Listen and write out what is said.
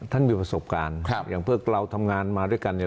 ท่านมีประสบการณ์อย่างเพื่อเราทำงานมาด้วยกันเนี่ย